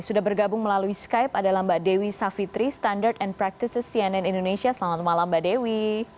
sudah bergabung melalui skype adalah mbak dewi savitri standard and practices cnn indonesia selamat malam mbak dewi